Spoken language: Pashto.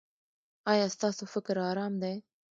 ایا ستاسو فکر ارام دی؟